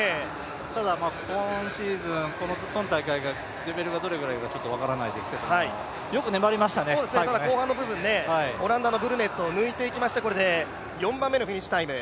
ただ、今シーズン、今大会がレベルがどれぐらいか分かりませんけれども、後半の部分、オランダのブルネットを抜いていきまして、４番目のフィニッシュタイム。